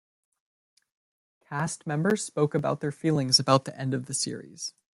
Cast members spoke about their feelings about the end of the series.